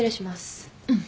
うん。